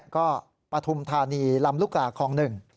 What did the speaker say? ก็ปฐุมธานีลำลูกกาคลอง๑